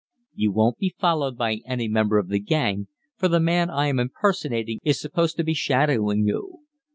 You won't be followed by any member of the gang, for the man I am impersonating is supposed to be shadowing you.